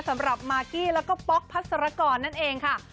มากกี้แล้วก็ป๊อกพัสรกรนั่นเองค่ะ